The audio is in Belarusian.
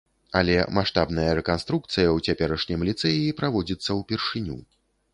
Але маштабная рэканструкцыя ў цяперашнім ліцэі праводзіцца ўпершыню.